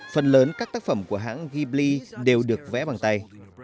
phần lớn các tác phẩm của hãng gb đều được vẽ bằng tay